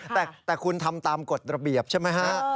แต่คุณทำตามกฎระเบียบใช่ไหมฮะ